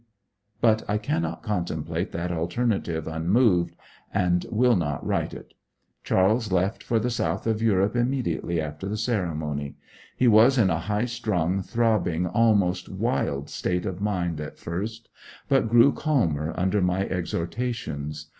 But I cannot contemplate that alternative unmoved, and will not write it. Charles left for the South of Europe immediately after the ceremony. He was in a high strung, throbbing, almost wild state of mind at first, but grew calmer under my exhortations.